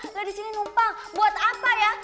lo disini numpang buat apa ya